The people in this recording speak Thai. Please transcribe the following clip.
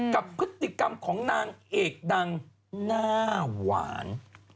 กับพฤติกรรมของนางเอกดังหน้าหวาน